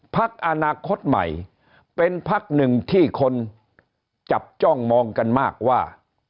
พักอนาคตใหม่เป็นพักหนึ่งที่คนจับจ้องมองกันมากว่า